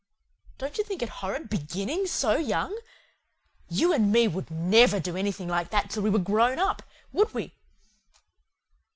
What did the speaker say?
Don't you think it horrid BEGINNING SO YOUNG? YOU AND ME would NEVER do anything like that till we were GROWN UP, would we?